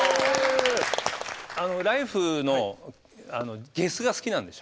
「ＬＩＦＥ！」のゲスが好きなんでしょ？